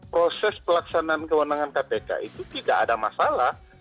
proses pelaksanaan kewenangan kpk itu tidak ada masalah